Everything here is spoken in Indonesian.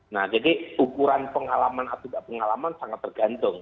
nah jadi ukuran pengalaman atau tidak pengalaman sangat tergantung